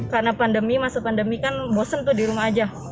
karena pandemi masa pandemi kan bosan tuh di rumah saya